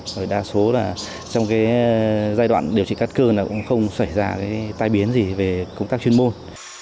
và đa số trong giai đoạn điều trị các cơ cũng không xảy ra tai biến gì về công tác chuyên môn